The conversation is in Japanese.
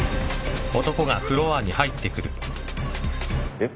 えっ？